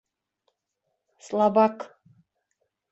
Слабак.